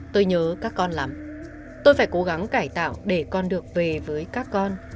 tôi nhớ các con lắm tôi phải cố gắng cải tạo để con được về với các con